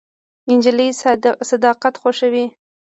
نجلۍ صداقت خوښوي.